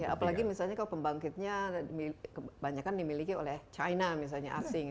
apalagi misalnya kalau pembangkitnya kebanyakan dimiliki oleh china misalnya asing